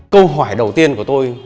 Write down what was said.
câu hỏi đầu tiên của tôi